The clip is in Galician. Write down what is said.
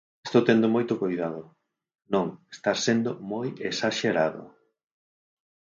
Estou tendo moito coidado. Non, estás sendo moi esaxerado?